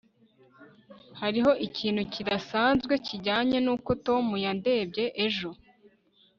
hariho ikintu kidasanzwe kijyanye nuko tom yandebye ejo